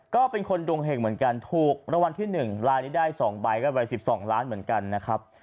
ก็เป็นคนดวงเห็งเหมือนกันถูกรางวัลที่๑ลายนี้ได้๒ใบก็ไป๑๒ล้านเหมือนกันนะครับ